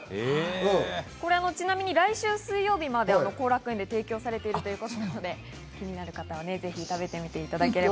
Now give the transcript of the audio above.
来週水曜日まで幸楽苑で提供されているということなので、気になる方はぜひ食べてみていただければ。